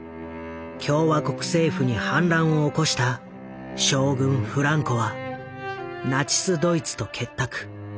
共和国政府に反乱を起こした将軍フランコはナチスドイツと結託。